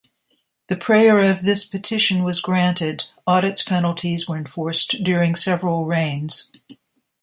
The prayer of this petition was granted, audits penalties were enforced during several reigns.